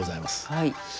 はい。